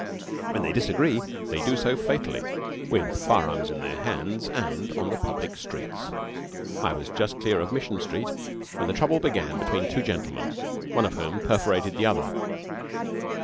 When they disagree they do so fatally, with fire arms in their hands, and on the public streets. I was just clear of Mission Street when the trouble began between two gentlemen, one of whom perforated the other.